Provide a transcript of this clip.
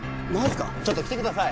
ちょっと来てください。